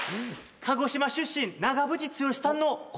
鹿児島出身長渕剛さんの怖い話。